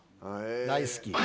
大好き。